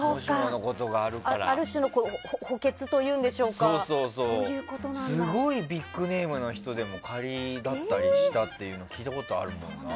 ある種の補欠というんでしょうかすごいビッグネームの人も仮だったりしたっていうの聞いたことあるもんな。